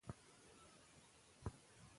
ځینې یې د روسي ایډیالوژي پلې کول.